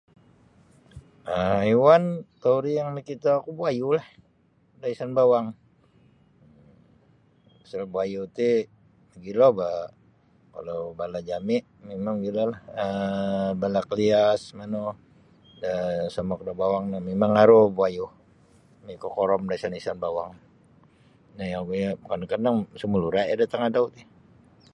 um Haiwan tauri yang nakitoku buayulah da isan bawang pasal buayu ti mogilo boh kalau balah jami mimang mogilolah um balah Kalias manu do somok bawang no mimang aru buayu nikokorom da isan bawang kadang-kadang sumalura iyo da tangadau ti.